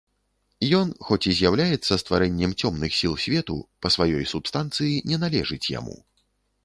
Ён, хоць і з'яўляецца стварэннем цёмных сіл свету, па сваёй субстанцыі не належыць яму.